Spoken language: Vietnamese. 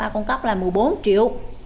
ba con cóc là một mươi bốn triệu